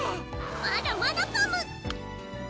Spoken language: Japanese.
まだまだパム！